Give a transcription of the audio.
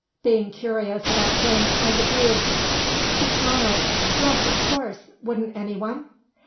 being curious about Jane's point of view. She smiled. "Yes, of course. Wouldn't anyone?"